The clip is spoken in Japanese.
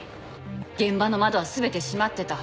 現場の窓は全て閉まってた。